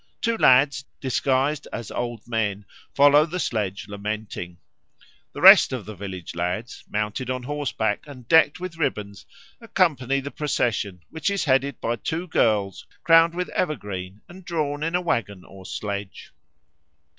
Two lads disguised as old men follow the sledge lamenting. The rest of the village lads, mounted on horseback and decked with ribbons, accompany the procession, which is headed by two girls crowned with evergreen and drawn in a waggon or sledge.